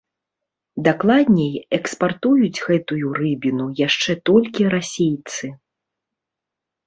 Дакладней, экспартуюць гэтую рыбіну яшчэ толькі расейцы.